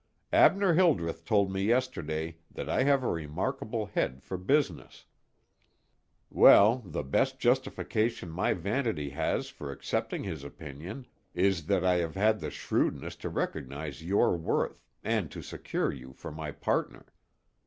Abner Hildreth told me yesterday that I have a remarkable head for business; well, the best justification my vanity has for accepting his opinion, is that I have had the shrewdness to recognize your worth, and to secure you for my partner.